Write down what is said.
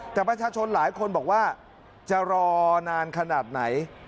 แต่ประชาชนหลายคนบอกว่าจะรอนานขนาดไหน